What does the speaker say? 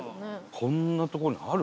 こんな所に、ある？